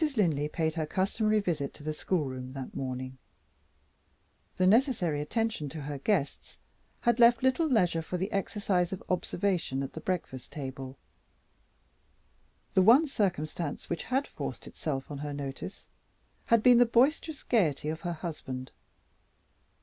Mrs. Linley paid her customary visit to the schoolroom that morning. The necessary attention to her guests had left little leisure for the exercise of observation at the breakfast table; the one circumstance which had forced itself on her notice had been the boisterous gayety of her husband.